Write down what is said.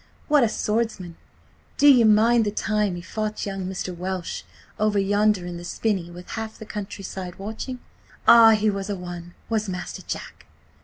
What a swordsman! Do ye mind the time he fought young Mr. Welsh over yonder in the spinney with half the countryside watching? Ah, he was a one, was Master Jack!